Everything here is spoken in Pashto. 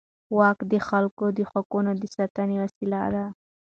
واک د خلکو د حقونو د ساتنې وسیله ده.